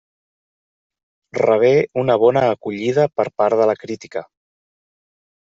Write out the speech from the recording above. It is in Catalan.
Rebé una bona acollida per part de la crítica.